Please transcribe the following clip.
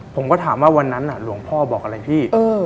ผมก็ถามว่าวันนั้นหลวงพ่อบอกอะไรพี่